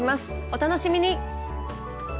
お楽しみに！